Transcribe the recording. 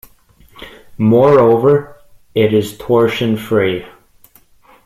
Moreover, it is torsion-free.